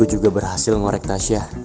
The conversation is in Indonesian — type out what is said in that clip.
gua juga berhasil ngorek tasya